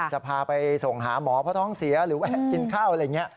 จะพาไปส่งหาหมอเพราะทองเสียหรือกินข้าว